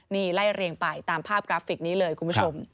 นี่ไล่เรียงไปตามภาพกราฟิกนี้เลยคุณผู้ชม